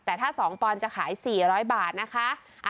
แต่ถ้า๒ปอนด์จะขาย๔๐๐บาทนะคะ